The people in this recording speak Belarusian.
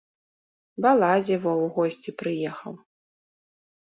Балазе во ў госці прыехаў.